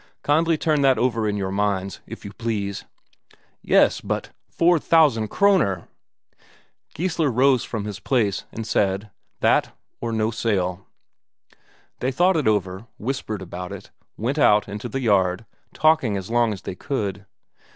Kindly turn that over in your minds, if you please." "Yes, but four thousand Kroner!" Geissler rose from his place, and said: "That, or no sale." They thought it over, whispered about it, went out into the yard, talking as long as they could.